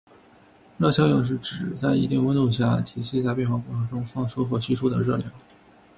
热效应是指在一定温度下，体系在变化过程中放出或吸收的热量。